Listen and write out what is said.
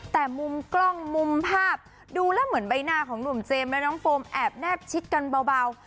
แต่มุมกล้องมุมภาพดูแล้วเหมือนใบหน้าของหนุ่มเจมส์และน้องโฟมแอบแนบชิดกันเบา